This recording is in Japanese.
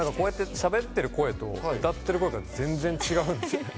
しゃべってる声と歌ってる声が全然違うんです。